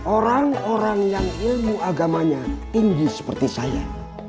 orang orang yang ilmu agamanya tinggi seperti saya